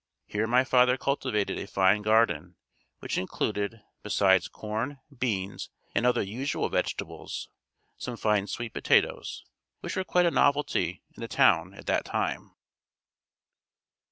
Here my father cultivated a fine garden which included, besides corn, beans and other usual vegetables, some fine sweet potatoes, which were quite a novelty in the town at that time.